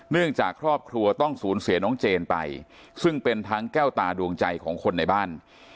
จากครอบครัวต้องสูญเสียน้องเจนไปซึ่งเป็นทั้งแก้วตาดวงใจของคนในบ้าน